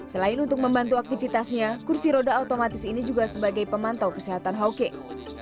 selain untuk membantu aktivitasnya kursi roda otomatis ini juga sebagai pemantau kesehatan hawking